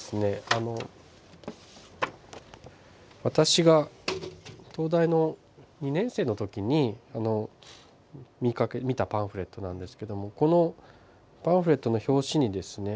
あの私が東大の２年生の時に見たパンフレットなんですけどもこのパンフレットの表紙にですね